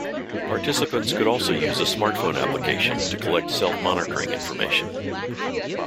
Participants could also use a smartphone application to collect self-monitoring information.